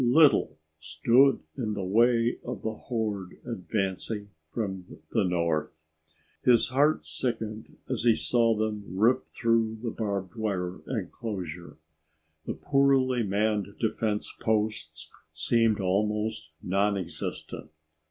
Little stood in the way of the horde advancing from the north. His heart sickened as he saw them rip through the barbed wire enclosure. The poorly manned defense posts seemed almost non existent.